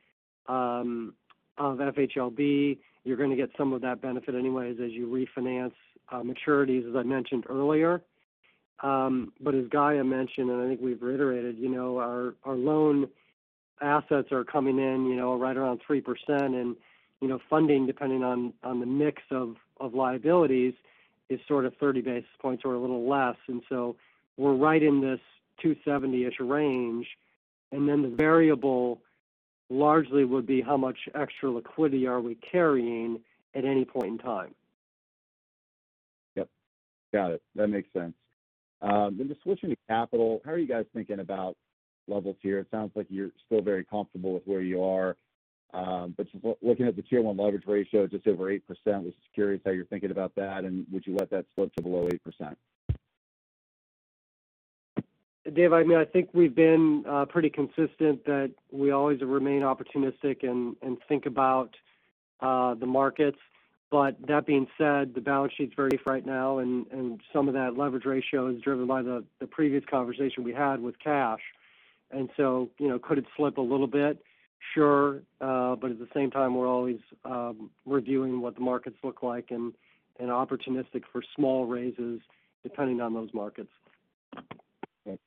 of FHLB. You're going to get some of that benefit anyways as you refinance maturities, as I mentioned earlier. As Gaye mentioned, and I think we've reiterated, our loan assets are coming in right around 3%. Funding, depending on the mix of liabilities, is sort of 30 basis points or a little less. We're right in this 270-ish range. The variable largely would be how much extra liquidity are we carrying at any point in time. Yep. Got it. That makes sense. Just switching to capital, how are you guys thinking about levels here? It sounds like you're still very comfortable with where you are. Just looking at the Tier 1 leverage ratio just over 8%, was just curious how you're thinking about that, and would you let that slip to below 8%? Dave, I think we've been pretty consistent that we always remain opportunistic and think about the markets. That being said, the balance sheet's very safe right now, and some of that leverage ratio is driven by the previous conversation we had with cash. Could it slip a little bit? Sure. At the same time, we're always reviewing what the markets look like and opportunistic for small raises depending on those markets. Okay.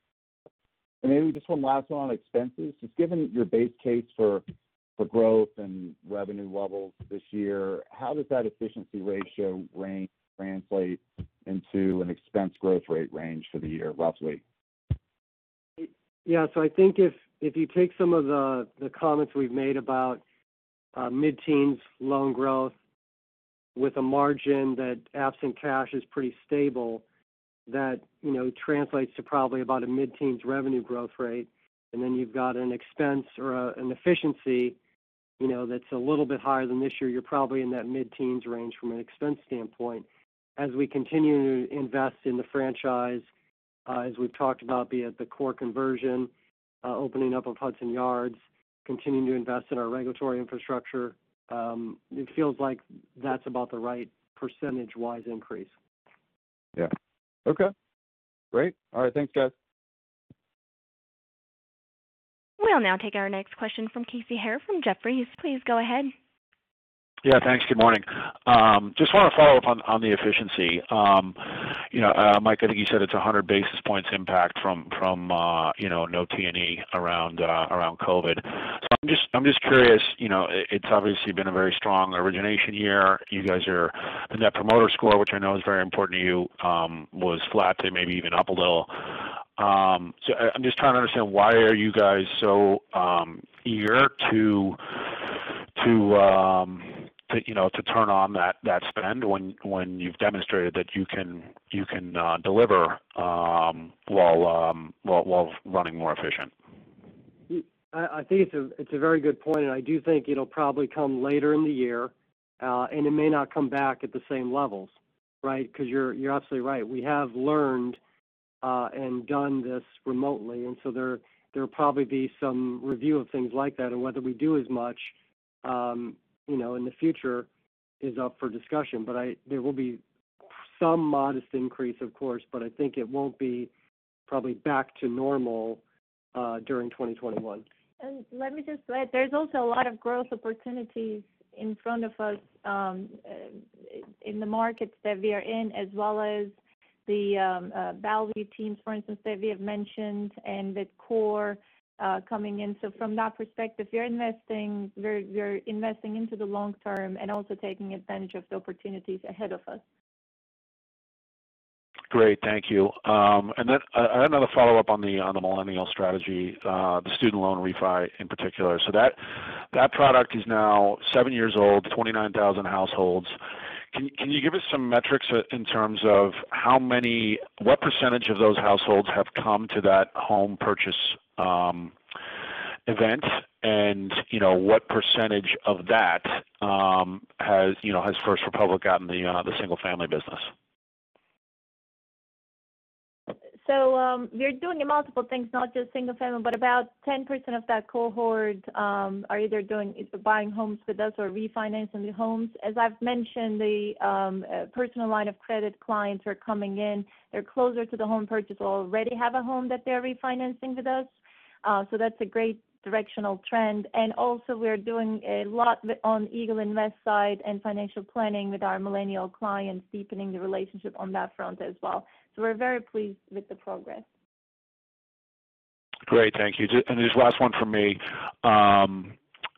Maybe just one last one on expenses. Just given your base case for growth and revenue levels this year, how does that efficiency ratio rank translate into an expense growth rate range for the year, roughly? I think if you take some of the comments we've made about mid-teens loan growth with a margin that absent cash is pretty stable, that translates to probably about a mid-teens revenue growth rate. You've got an expense or an efficiency that's a little bit higher than this year. You're probably in that mid-teens range from an expense standpoint. As we continue to invest in the franchise, as we've talked about, be it the core conversion, opening up of Hudson Yards, continuing to invest in our regulatory infrastructure, it feels like that's about the right percentage-wise increase. Yeah. Okay. Great. All right. Thanks, guys. We'll now take our next question from Casey Haire from Jefferies. Please go ahead. Yeah. Thanks. Good morning. Just want to follow up on the efficiency. Mike, I think you said it's 100 basis points impact from no T&E around COVID. I'm just curious, it's obviously been a very strong origination year. The Net Promoter Score, which I know is very important to you, was flat to maybe even up a little. I'm just trying to understand why are you guys so eager to turn on that spend when you've demonstrated that you can deliver while running more efficient? I think it's a very good point, and I do think it'll probably come later in the year, and it may not come back at the same levels. Right? Because you're absolutely right. We have learned and done this remotely, there'll probably be some review of things like that and whether we do as much in the future is up for discussion. There will be some modest increase, of course, but I think it won't be probably back to normal during 2021. Let me just add, there's also a lot of growth opportunities in front of us in the markets that we are in, as well as the Bellevue teams, for instance, that we have mentioned and with core coming in. From that perspective, we're investing into the long term and also taking advantage of the opportunities ahead of us. Great. Thank you. Another follow-up on the millennial strategy, the student loan refi in particular. That product is now seven years old, 29,000 households. Can you give us some metrics in terms of what percentage of those households have come to that home purchase event? What percentage of that has First Republic out in the single-family business? We're doing multiple things, not just single family. About 10% of that cohort are either buying homes with us or refinancing the homes. As I've mentioned, the personal line of credit clients are coming in. They're closer to the home purchase or already have a home that they're refinancing with us. That's a great directional trend. Also we're doing a lot on Eagle Invest side and financial planning with our millennial clients, deepening the relationship on that front as well. We're very pleased with the progress. Great. Thank you. Just last one from me.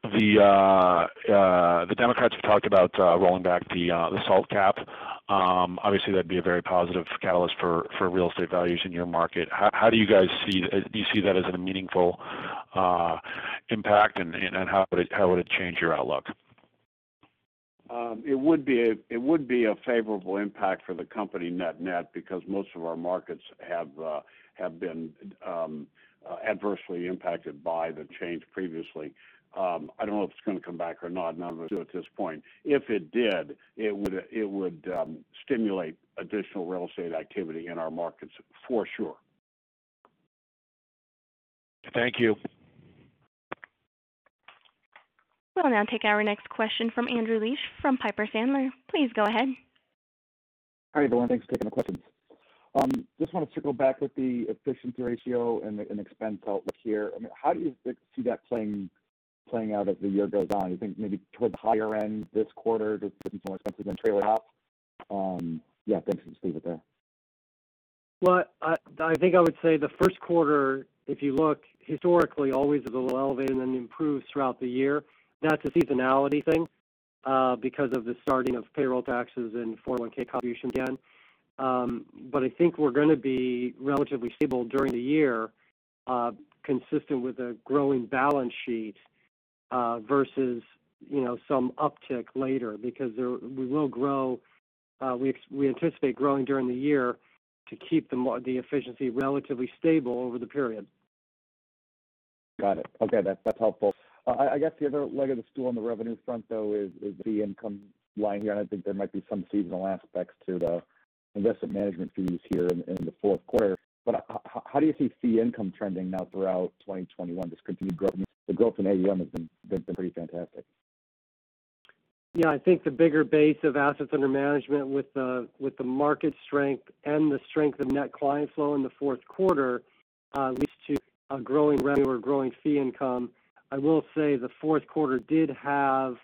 The Democrats have talked about rolling back the SALT cap. Obviously, that'd be a very positive catalyst for real estate values in your market. How do you guys see that as a meaningful impact, and how would it change your outlook? It would be a favorable impact for the company net-net because most of our markets have been adversely impacted by the change previously. I don't know if it's going to come back or not. None of us do at this point. If it did, it would stimulate additional real estate activity in our markets for sure. Thank you. We'll now take our next question from Andrew Liesch from Piper Sandler. Please go ahead. Hi, everyone. Thanks for taking the questions. Just wanted to circle back with the efficiency ratio and the expense outlook here. How do you see that playing out as the year goes on? Do you think maybe towards the higher end this quarter, just getting more expensive than trailing up? Yeah, thanks. Just leave it there. Well, I think I would say the first quarter, if you look historically, always is a little elevated and then improves throughout the year. That's a seasonality thing because of the starting of payroll taxes and 401K contributions again. I think we're going to be relatively stable during the year, consistent with a growing balance sheet versus some uptick later because we anticipate growing during the year to keep the efficiency relatively stable over the period. Got it. Okay. That's helpful. I guess the other leg of the stool on the revenue front, though, is the income line here. I think there might be some seasonal aspects to the investment management fees here in the fourth quarter. How do you see fee income trending now throughout 2021? Just continued growth. The growth in AUM has been pretty fantastic. Yeah. I think the bigger base of assets under management with the market strength and the strength of net client flow in the fourth quarter leads to a growing revenue or growing fee income. I will say the fourth quarter did have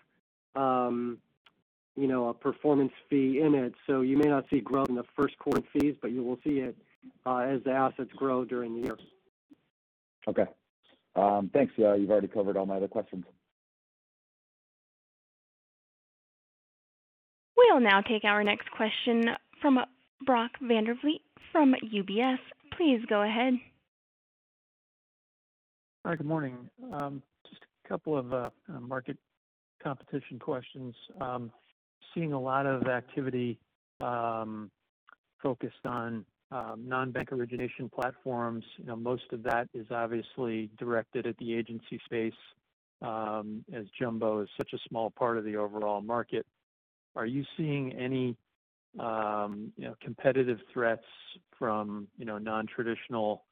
a performance fee in it. You may not see growth in the first quarter fees, but you will see it as the assets grow during the year. Okay. Thanks. You've already covered all my other questions. We'll now take our next question from Brock Vandervliet from UBS. Please go ahead. Hi, good morning. Just a couple of market competition questions. Seeing a lot of activity focused on non-bank origination platforms. Most of that is obviously directed at the agency space as jumbo is such a small part of the overall market. Are you seeing any competitive threats from non-traditional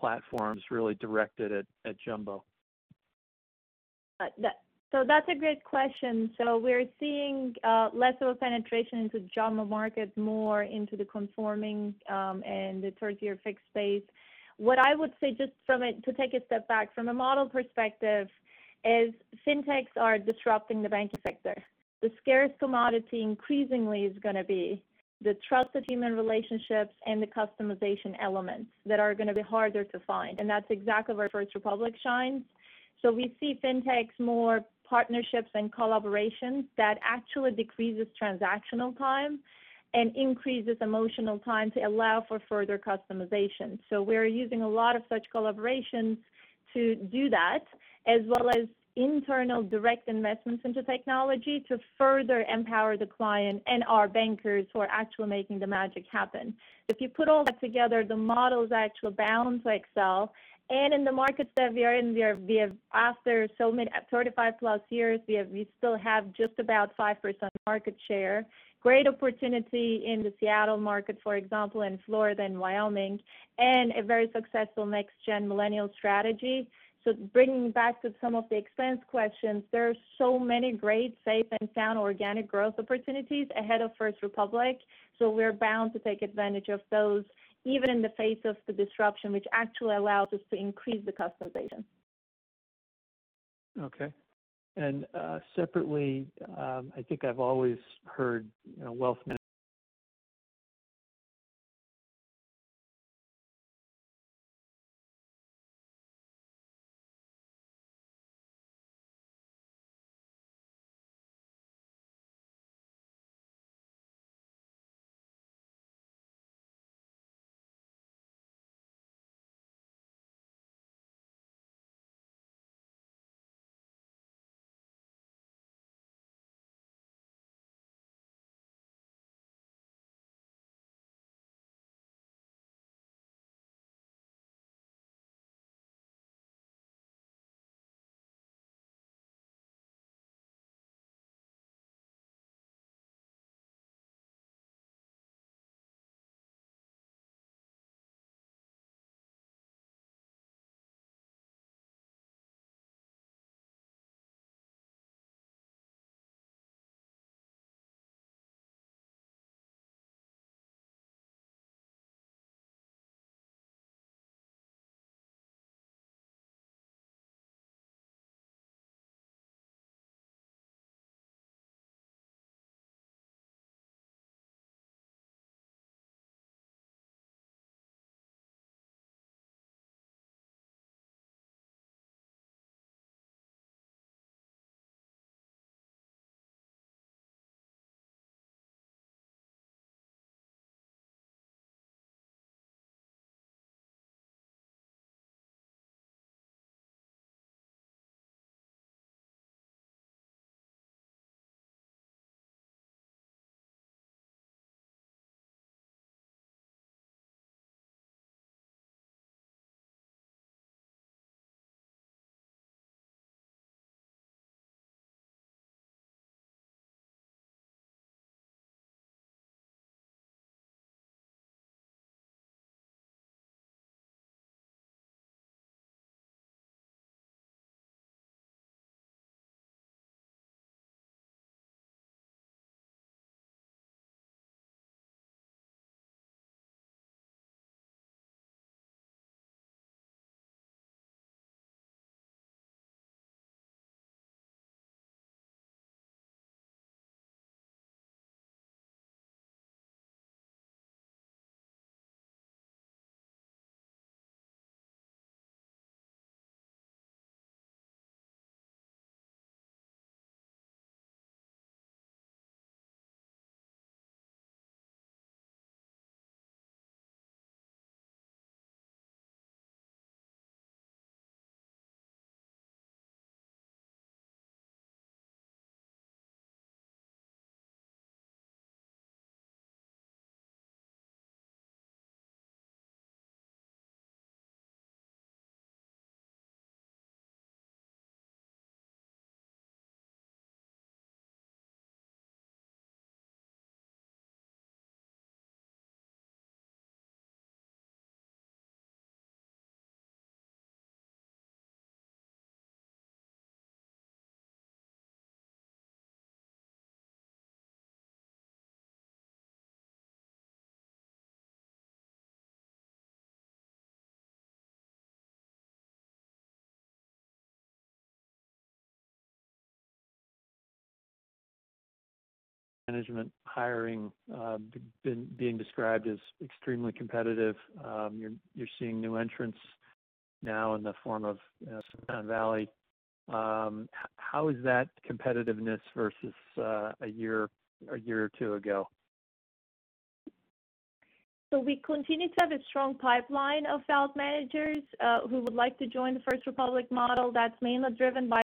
platforms really directed at jumbo? That's a great question. We're seeing less of a penetration into the jumbo market, more into the conforming and the 30-year fixed space. What I would say, just to take a step back from a model perspective. As fintechs are disrupting the banking sector, the scarce commodity increasingly is going to be the trusted human relationships and the customization elements that are going to be harder to find. That's exactly where First Republic shines. We see fintechs more partnerships and collaborations that actually decreases transactional time and increases emotional time to allow for further customization. We're using a lot of such collaborations to do that, as well as internal direct investments into technology to further empower the client and our bankers who are actually making the magic happen. If you put all that together, the models actually bound to excel. In the markets that we are in, after 35+ years, we still have just about 5% market share. Great opportunity in the Seattle market, for example, in Florida and Wyoming, and a very successful next-gen millennial strategy. Bringing back to some of the expense questions, there are so many great, safe and sound organic growth opportunities ahead of First Republic. We're bound to take advantage of those, even in the face of the disruption, which actually allows us to increase the customization. Okay. Separately I think I've always heard wealth management hiring being described as extremely competitive. You're seeing new entrants now in the form of Silicon Valley. How is that competitiveness versus a year or two ago? We continue to have a strong pipeline of wealth managers who would like to join the First Republic model that's mainly driven by the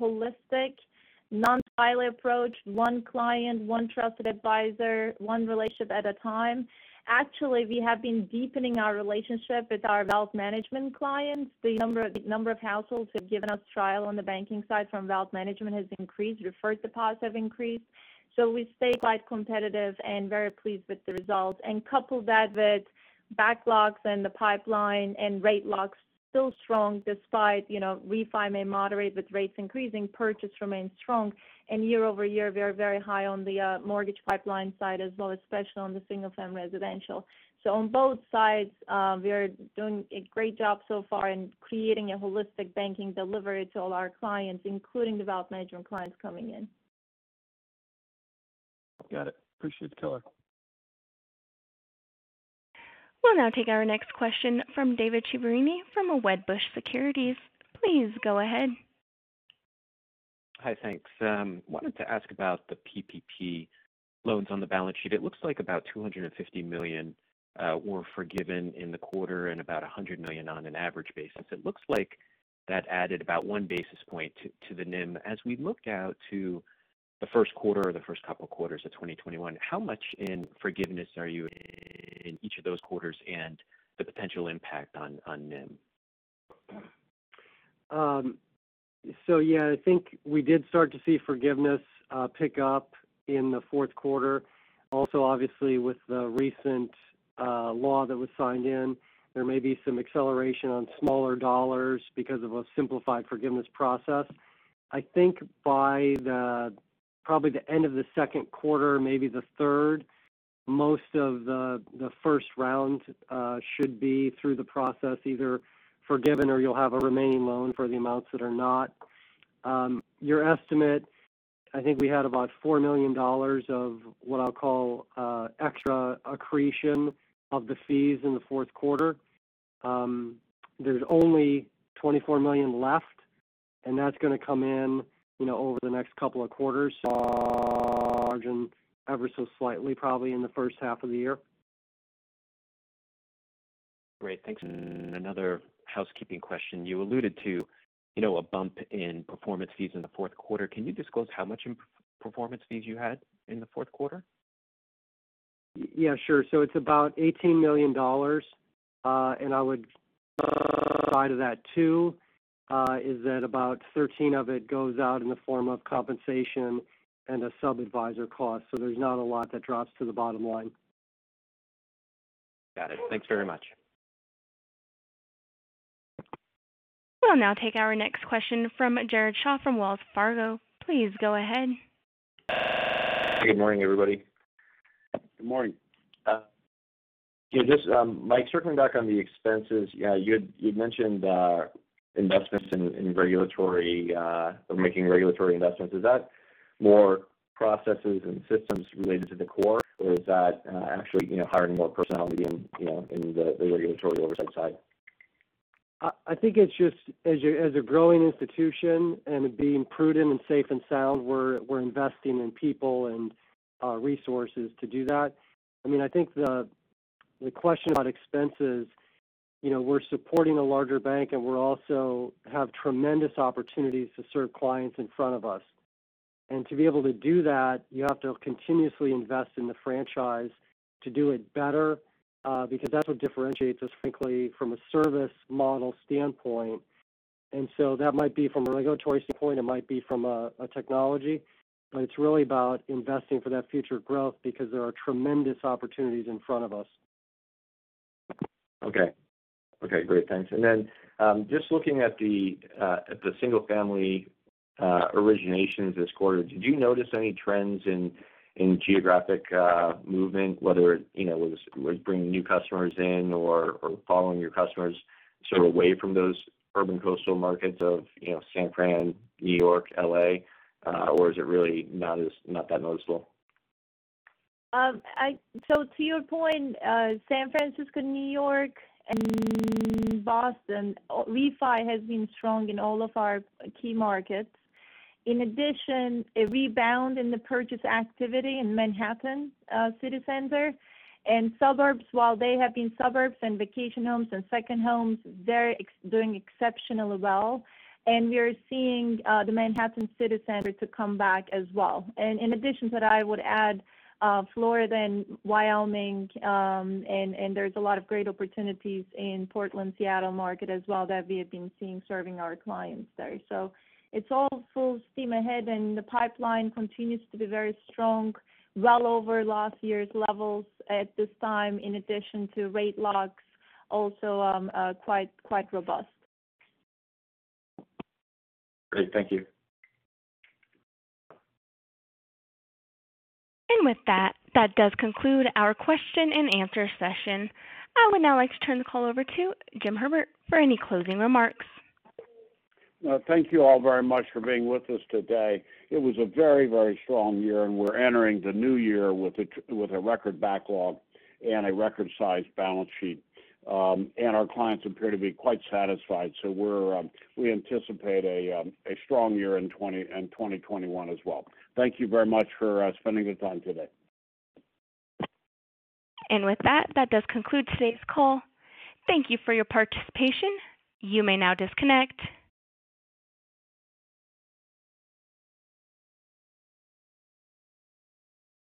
holistic non-silo approach, one client, one trusted advisor, one relationship at a time. Actually, we have been deepening our relationship with our wealth management clients. The number of households who've given us trial on the banking side from wealth management has increased. Referred deposits have increased. We stay quite competitive and very pleased with the results. Couple that with backlogs in the pipeline and rate locks still strong despite refi may moderate with rates increasing, purchase remains strong. Year-over-year, we are very high on the mortgage pipeline side as well, especially on the single-family residential. On both sides, we are doing a great job so far in creating a holistic banking delivery to all our clients, including the wealth management clients coming in. Got it. Appreciate your color. We'll now take our next question from David Chiaverini from Wedbush Securities. Please go ahead. Hi, thanks. Wanted to ask about the PPP loans on the balance sheet. It looks like about $250 million were forgiven in the quarter and about $100 million on an average basis. It looks like that added about 1 basis point to the NIM. As we look out to the first quarter or the first couple quarters of 2021, how much in forgiveness are you in each of those quarters and the potential impact on NIM? Yeah, I think we did start to see forgiveness pick up in the fourth quarter. Obviously with the recent law that was signed in, there may be some acceleration on smaller dollars because of a simplified forgiveness process. I think by probably the end of the second quarter, maybe the third, most of the first round should be through the process, either forgiven or you'll have a remaining loan for the amounts that are not. Your estimate, I think we had about $4 million of what I'll call extra accretion of the fees in the fourth quarter. There's only $24 million left, and that's going to come in over the next couple of quarters. Margin ever so slightly, probably in the first half of the year. Great. Thanks. Another housekeeping question. You alluded to a bump in performance fees in the fourth quarter. Can you disclose how much in performance fees you had in the fourth quarter? Yeah, sure. It's about $18 million. I would side of that too, is that about $13 million of it goes out in the form of compensation and a sub-adviser cost. There's not a lot that drops to the bottom line. Got it. Thanks very much. We'll now take our next question from Jared Shaw from Wells Fargo. Please go ahead. Good morning, everybody. Good morning. Mike, circling back on the expenses. You had mentioned making regulatory investments. Is that more processes and systems related to the core, or is that actually hiring more personnel in the regulatory oversight side? I think it's just as a growing institution and being prudent and safe and sound, we're investing in people and resources to do that. I think the question about expenses, we're supporting a larger bank, and we also have tremendous opportunities to serve clients in front of us. To be able to do that, you have to continuously invest in the franchise to do it better because that's what differentiates us, frankly, from a service model standpoint. That might be from a regulatory standpoint, it might be from a technology, but it's really about investing for that future growth because there are tremendous opportunities in front of us. Okay. Great, thanks. Then just looking at the single-family originations this quarter, did you notice any trends in geographic movement, whether it was bringing new customers in or following your customers sort of away from those urban coastal markets of San Francisco, New York, L.A., or is it really not that noticeable? To your point, San Francisco, New York, and Boston, refi has been strong in all of our key markets. In addition, a rebound in the purchase activity in Manhattan, city center there. Suburbs and vacation homes and second homes, they're doing exceptionally well. We are seeing the Manhattan city center to come back as well. In addition to that, I would add Florida and Wyoming, and there's a lot of great opportunities in Portland, Seattle market as well that we have been seeing serving our clients there. It's all full steam ahead, and the pipeline continues to be very strong, well over last year's levels at this time, in addition to rate locks also are quite robust. Great. Thank you. With that does conclude our question-and-answer session. I would now like to turn the call over to Jim Herbert for any closing remarks. Thank you all very much for being with us today. It was a very, very strong year. We're entering the new year with a record backlog and a record size balance sheet. Our clients appear to be quite satisfied. We anticipate a strong year in 2021 as well. Thank you very much for spending the time today. With that does conclude today's call. Thank you for your participation. You may now disconnect.